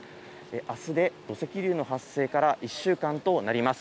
あすで土石流の発生から１週間となります。